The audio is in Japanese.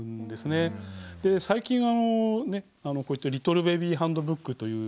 で最近はこういったリトルベビーハンドブックという。